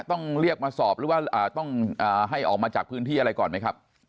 ต้องเรียกมาสอบหรือว่าต้องให้ออกมาจากพื้นที่อะไรก่อนไหมครับ